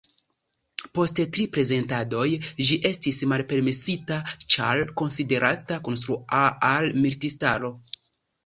Post tri prezentadoj ĝi estis malpermesita ĉar konsiderata kontraŭa al militistaro.